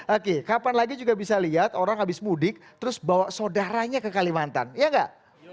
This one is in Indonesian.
oke kapan lagi juga bisa lihat orang habis mudik terus bawa saudaranya ke kalimantan ya enggak